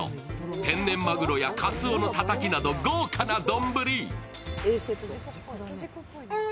天然まぐろやかつおのたたきなど豪華な丼。